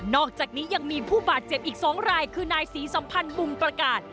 อกจากนี้ยังมีผู้บาดเจ็บอีก๒รายคือนายศรีสัมพันธ์บุมประกาศ